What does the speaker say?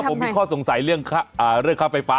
ถ้าผมมีข้อสงสัยเรื่องข้าโลกออกค่ะ